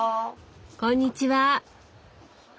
こんにちは。